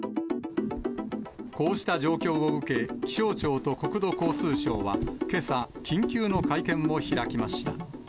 こうした状況を受け、気象庁と国土交通省はけさ、緊急の会見を開きました。